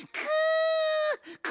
く！